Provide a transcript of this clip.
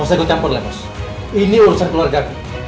masa gue campur lemos ini urusan keluarga aku